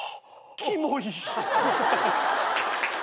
キモい。